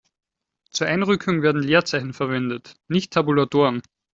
Zur Einrückung werden Leerzeichen verwendet, nicht Tabulatoren.